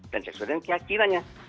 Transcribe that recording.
dan seksualitas keyakinannya